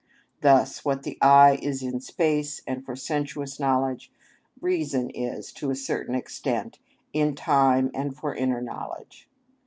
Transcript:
Thus what the eye is in space and for sensuous knowledge, reason is, to a certain extent, in time and for inner knowledge.